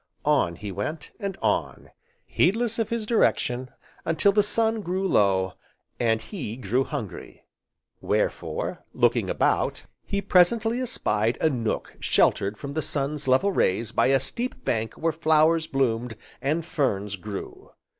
On he went, and on, heedless of his direction until the sun grew low, and he grew hungry; wherefore, looking about, he presently espied a nook sheltered from the sun's level rays by a steep bank where flowers bloomed, and ferns grew.